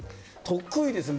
得意ですね。